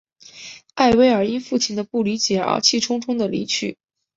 艾薇尔因父亲的不理解而气冲冲地离去。